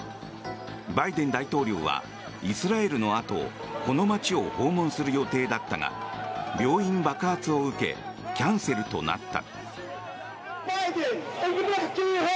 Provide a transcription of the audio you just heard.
バイデン大統領はイスラエルのあとこの街を訪問する予定だったが病院爆発を受けキャンセルとなった。